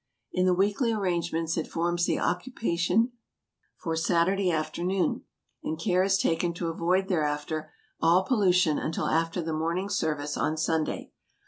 In the weekly arrangements it forms the occupation for Satur day afternoon, and care is taken to avoid thereafter all pollu tion until after the morning service on Sunday.